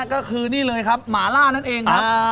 ก็คือนี่เลยครับหมาล่านั่นเองครับ